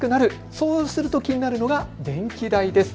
そうすると気になるのが電気代です。